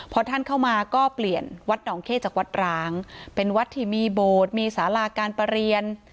พอท่านเข้ามาก็เปลี่ยนวัดหนองเข้จากวัดร้างเป็นวัดที่มีโบสถ์มีสาราการประเรียน